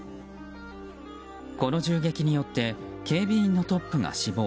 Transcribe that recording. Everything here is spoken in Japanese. この銃撃によって警備員のトップが死亡。